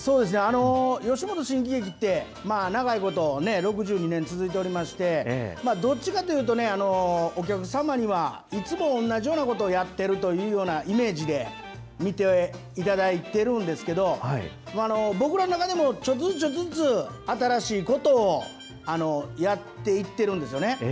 吉本新喜劇って、長いこと、６２年続いておりまして、どっちかっていうとね、お客様にはいつも同じようなことをやってるというようなイメージで、見ていただいてるんですけど、僕らの中でもちょっとずつちょっとずつ、新しいことをやっていってるんですよね。